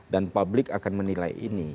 dan publik akan menilai ini